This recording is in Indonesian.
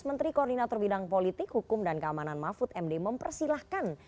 menteri koordinator bidang politik hukum dan keamanan mahfud md mempersilahkan